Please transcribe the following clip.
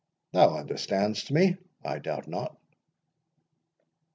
Thou understandest me, I doubt not?"